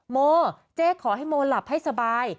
โมเจ๊ขอให้โมหลับให้สบาย